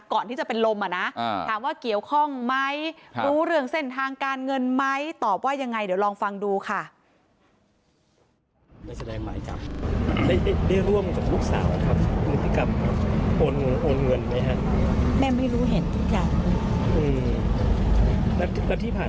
ก่อนที่จะเป็นลมอ่ะนะถามว่าเกี่ยวข้องไหมรู้เรื่องเส้นทางการเงินไหมตอบว่ายังไงเดี๋ยวลองฟังดูค่ะ